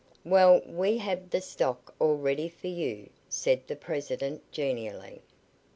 "Well, we have the stock all ready for you," said the president genially.